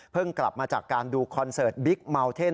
กลับมาจากการดูคอนเสิร์ตบิ๊กเมาเท่น